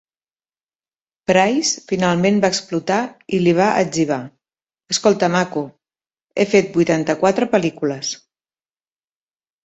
Price finalment va explotar i li va etzibar: "Escolta, maco, he fet vuitanta-quatre pel·lícules".